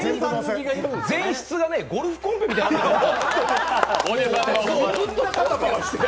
前室がゴルフコンペみたいになってるんですよ。